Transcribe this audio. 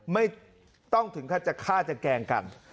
ไม่ต้องถึงฆ่าจะแกล้งกัน